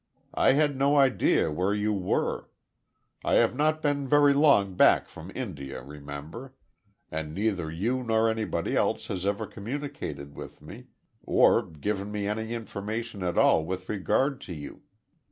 I had no idea where you were I have not been very long back from India, remember and neither you nor anybody else has ever communicated with me, or given me any information at all with regard to you.